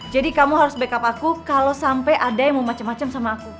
jadi kamu harus backup aku kalau sampai ada yang mau macem macem sama aku